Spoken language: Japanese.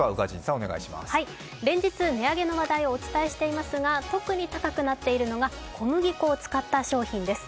連日、値上げの話題をお伝えしていますが、特に高くなっているのが小麦粉を使った商品です。